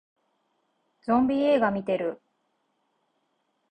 ゾンビ映画見てる